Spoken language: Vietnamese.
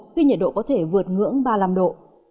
khi nhiệt độ có thể vượt ngưỡng ba mươi năm độ